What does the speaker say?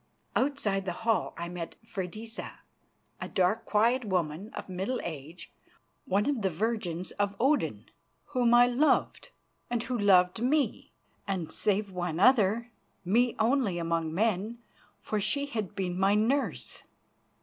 Outside the hall I met Freydisa, a dark, quiet woman of middle age, one of the virgins of Odin, whom I loved and who loved me and, save one other, me only among men, for she had been my nurse.